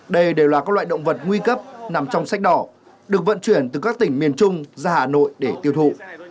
đây đều là các loại động vật nguy cấp nằm trong sách đỏ được vận chuyển từ các tỉnh miền trung ra hà nội để tiêu thụ